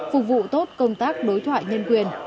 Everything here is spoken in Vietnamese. phục vụ tốt công tác đối thoại nhân quyền